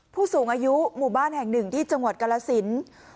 ผู้สูงอายุหมู่บ้านแห่งหนึ่งที่จังหวัดกรสิน